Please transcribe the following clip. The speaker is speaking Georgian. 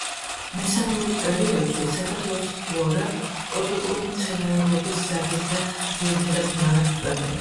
მესამეულ პერიოდში საქართველოს ფლორა ტროპიკული მცენარეულობის სახის და ძირითადად მარადმწვანე იყო.